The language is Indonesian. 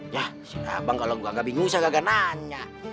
yah si abang kalau gua gak bingung saya gak nanya